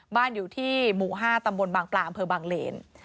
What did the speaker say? บ้านอยู่ที่หมู่๕ตำบลบางปลาอำเภอบางเลน